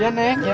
ya neng ya